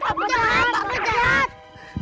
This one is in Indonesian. pak pejat pak pejat pak pejat